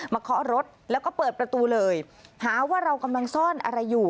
เคาะรถแล้วก็เปิดประตูเลยหาว่าเรากำลังซ่อนอะไรอยู่